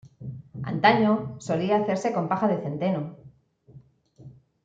Antaño, solía hacerse con paja de centeno.